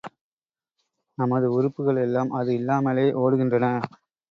நமது உறுப்புகள் எல்லாம் அது இல்லாமலே ஓடுகின்றன.